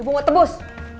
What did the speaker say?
ibu mau tebus